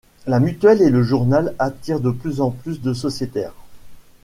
La mutuelle et le journal attire de plus en plus de sociétaires.